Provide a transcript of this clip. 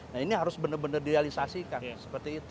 nah ini harus benar benar direalisasikan seperti itu